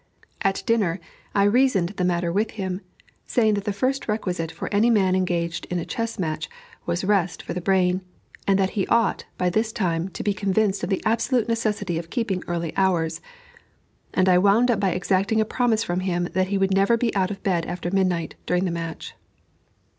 At dinner, I reasoned the matter with him, saying that the first requisite for any man engaged in a chess match, was rest for the brain; and that he ought, by this time, to be convinced of the absolute necessity of keeping early hours. And I wound up by exacting a promise from him that he would never be out of bed after midnight, during the match.